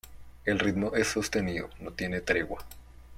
El ritmo es sostenido, no tiene tregua.